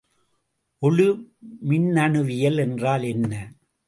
ஒளிமின்னணுவியல் என்றால் என்ன?